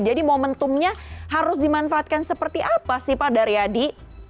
jadi momentumnya harus dimanfaatkan seperti apa sih pak daryadi